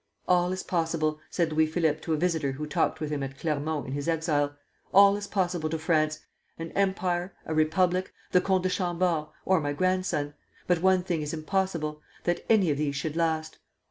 _] "All is possible," said Louis Philippe to a visitor who talked with him at Claremont in his exile, "all is possible to France, an empire, a republic, the Comte de Chambord, or my grandson; but one thing is impossible, that any of these should last.